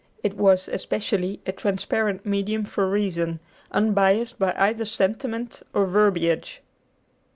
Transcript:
It was, especially, a transparent medium for reason, unbiased by either sentiment or verbiage.